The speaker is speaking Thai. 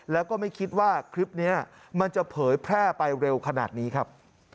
แล้วก็ไม่คิดว่าคลิปนี้มันจะเผยแพร่ไปเร็วขนาดนี้ครับ